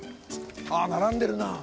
あ並んでるな。